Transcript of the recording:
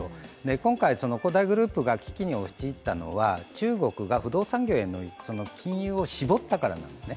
今回、恒大グループが危機に陥ったのは中国が不動産業への金融を絞ったからなんですね。